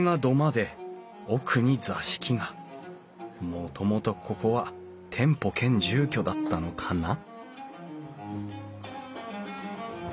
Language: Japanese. もともとここは店舗兼住居だったのかな？